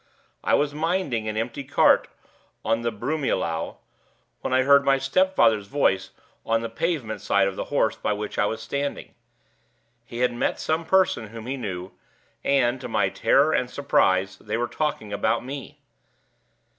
I was minding an empty cart on the Broomielaw, when I heard my stepfather's voice on the pavement side of the horse by which I was standing. He had met some person whom he knew, and, to my terror and surprise, they were talking about me.